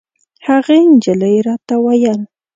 هغې نجلۍ راته ویل.